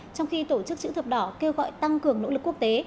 trong khi tổ chức chữ thập đỏ kêu gọi tăng cường nỗ lực quốc tế